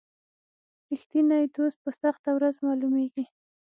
رښتینی دوست په سخته ورځ معلومیږي.